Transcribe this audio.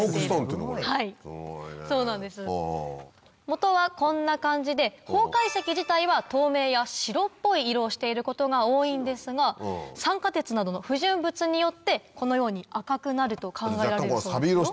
元はこんな感じで方解石自体は透明や白っぽい色をしていることが多いんですが酸化鉄などの不純物によってこのように赤くなると考えられるそうですよ。